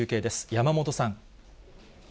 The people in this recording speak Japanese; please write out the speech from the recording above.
山本さん。